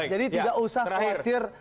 jadi tidak usah khawatir